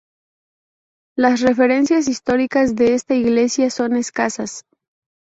Las referencias históricas de esta iglesia son escasas.